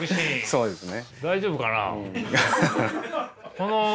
そうですね。